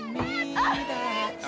あっ！